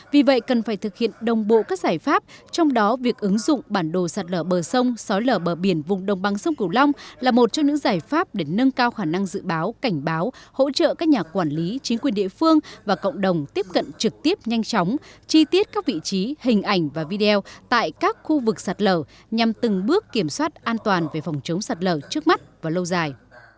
vì vậy cần phải thực hiện đồng bộ các giải pháp trong đó việc ứng dụng bản đồ sạt lở bờ sông sói lở bờ biển vùng đồng bằng sông kiểu long là một trong những giải pháp để nâng cao khả năng dự báo cảnh báo hỗ trợ các nhà quản lý chính quyền địa phương và cộng đồng tiếp cận trực tiếp nhanh chóng chi tiết các vị trí hình ảnh và video tại các khu vực sạt lở nhằm từng bước kiểm soát an toàn về phòng chống sạt lở trước mắt và lâu dài